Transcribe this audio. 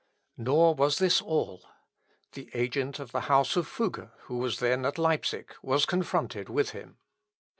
Nor was this all: the agent of the house of Fugger, who was then at Leipsic, was confronted with him.